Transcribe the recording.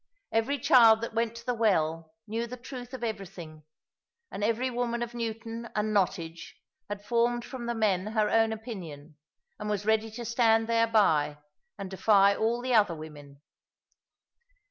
Every child that went to the well knew the truth of everything; and every woman of Newton and Nottage had formed from the men her own opinion, and was ready to stand thereby, and defy all the other women.